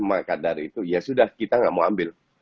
makadar itu ya sudah kita tidak mau ambil